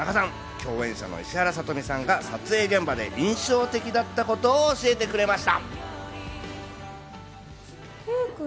共演者の石原さとみさんさんが撮影現場で印象的だったことを教えてくれました。